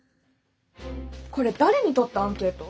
これ誰にとったアンケート？